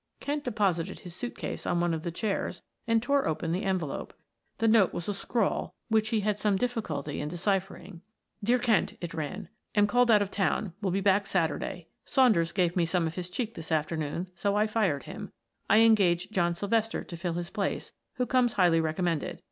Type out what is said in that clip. Kent deposited his suit case on one of the chairs and tore open the envelope. The note was a scrawl, which he had some difficulty in deciphering. "Dear Kent," it ran. "Am called out of town; will be back Saturday. Saunders gave me some of his cheek this afternoon, so I fired him. I engaged John Sylvester to fill his place, who comes highly recommended.